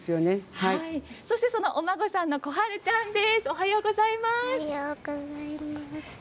そしてこのお孫さんのこはるちゃんです。